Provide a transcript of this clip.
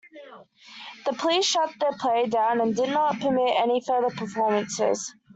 The police shut the play down and did not permit any further performances.